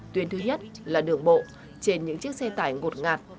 tuyến thứ nhất là đường bộ trên những chiếc xe tải ngột ngạt